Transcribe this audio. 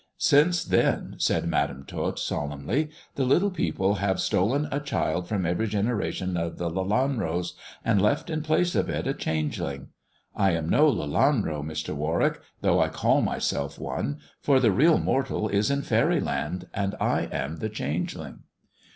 Since then," said Madam Tot solemnly, " the little people have stolen a child from every generation of the Lelanros, and left in place of it a change ling. I am no Lelanro, Mr. Warwick, though I call myself one, for the real mortal is in faeryland, and I am the changeling."